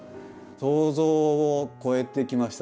想像を超えてきましたね。